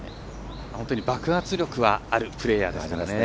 爆発力はあるプレーヤーですからね。